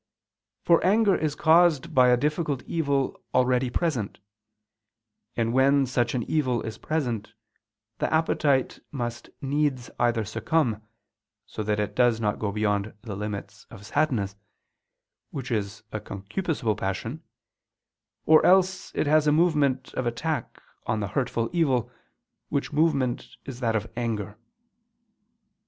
For anger is caused by a difficult evil already present: and when such an evil is present, the appetite must needs either succumb, so that it does not go beyond the limits of sadness, which is a concupiscible passion; or else it has a movement of attack on the hurtful evil, which movement is that of _anger.